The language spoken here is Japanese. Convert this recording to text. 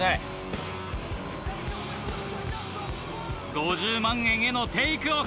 ５０万円へのテークオフ。